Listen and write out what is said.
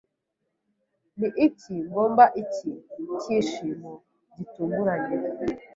Ni iki ngomba iki cyishimo gitunguranye?